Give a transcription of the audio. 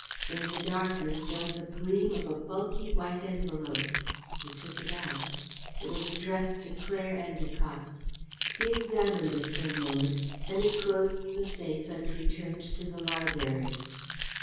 In the darkness there was the gleam of a bulky white envelope. He took it out. It was addressed to Claire Endacott. He examined it for a moment. Then he closed the safe and returned to the library.